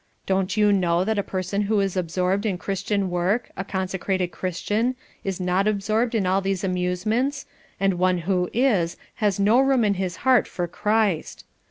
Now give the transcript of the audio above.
Don't you know that a person who is absorbed in Christian work, a consecrated Christian, is not absorbed in all these amusements, and one who is, has no room in his heart for Christ.